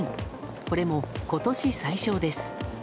これも今年最少です。